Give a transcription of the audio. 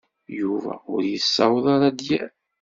Yuba ur yessaweḍ ara d-yerr.